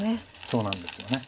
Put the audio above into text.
そうなんですよね。